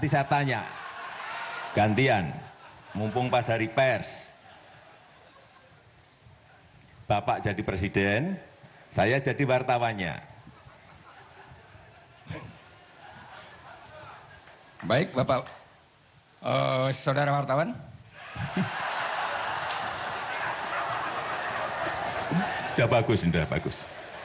sudah bagus ini sudah bagus